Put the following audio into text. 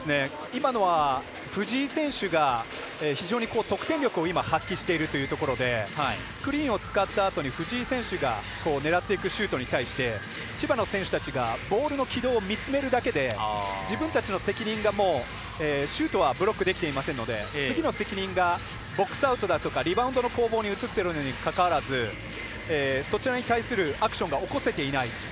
今のは藤井選手が非常に得点力を今、発揮しているというところでスクリーンを使ったあとに藤井選手が狙っていくシュートに対して千葉の選手たちがボールの軌道を見つめるだけで自分たちの責任がシュートはブロックできていませんので次の責任がボックスアウトだとかリバウンドの攻防に移っているにもかかわらずそちらに対するアクションが起こせていない。